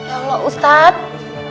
ya allah ustadz